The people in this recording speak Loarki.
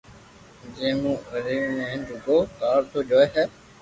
جي مون رمي ھي ھين رگو ڪارٽون جوئي ھي